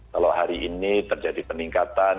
kalau hari ini terjadi peningkatan